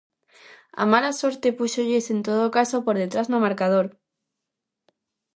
A mala sorte púxolles, en todo caso, por detrás no marcador.